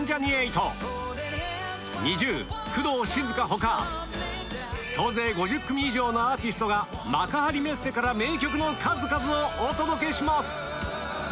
他総勢５０組以上のアーティストが幕張メッセから名曲の数々をお届けします！